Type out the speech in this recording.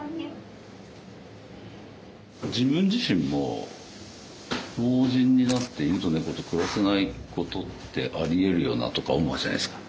自分自身も老人になって犬と猫と暮らせないことってありえるよなとか思うじゃないですか。